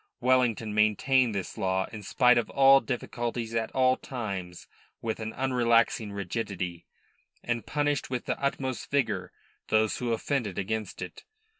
Wellington maintained this law in spite of all difficulties at all times with an unrelaxing rigidity, and punished with the utmost vigour those who offended against it.